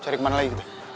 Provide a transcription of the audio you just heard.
cari kemana lagi kita